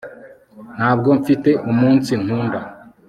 Ntabwo mfite umunsi nkunda